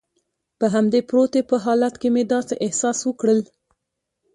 په همدې پروتې په حالت کې مې داسې احساس وکړل.